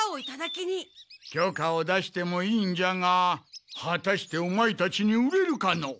きょかを出してもいいんじゃがはたしてオマエたちに売れるかのう？